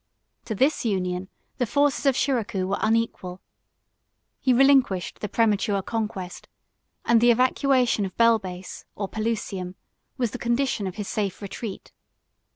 To this union the forces of Shiracouh were unequal: he relinquished the premature conquest; and the evacuation of Belbeis or Pelusium was the condition of his safe retreat.